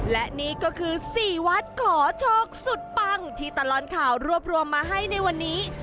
และนี่ก็คือ๔วัดขอโชคสุดปังที่ตลอดข่าวรวบรวมมาให้ในวันนี้